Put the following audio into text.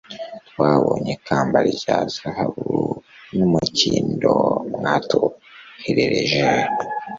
twabonye ikamba rya zahabu n'umukindo mwatwoherereje